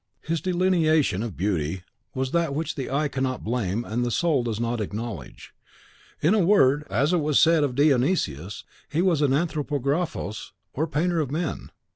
His delineation of beauty was that which the eye cannot blame and the soul does not acknowledge. In a word, as it was said of Dionysius, he was an Anthropographos, or Painter of Men.